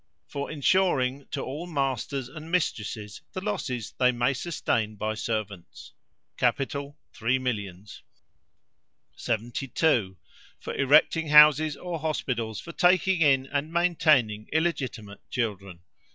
For insuring to all masters and mistresses the losses they may sustain by servants. Capital, three millions. 72. For erecting houses or hospitals for taking in and maintaining illegitimate children.